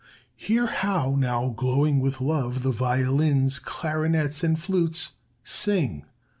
Hear how now, glowing with love, the violins, clarinets, and flutes sing!